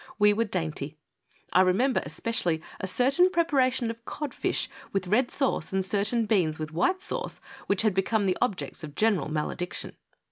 We were dainty. I re member especially a certain preparation of codSsh with red sauce and certain beans with white sauce, which had become objects of general malediction.